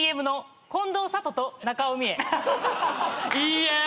いいえ！